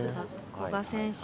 古賀選手。